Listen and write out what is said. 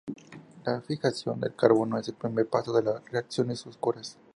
La fijación del carbono es el primer paso de las reacciones oscuras.